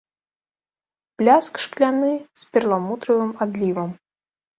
Бляск шкляны з перламутравым адлівам.